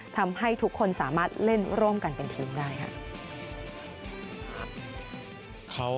ทำให้ทุกคนสามารถเล่นร่วมกันเป็นทีมได้ค่ะ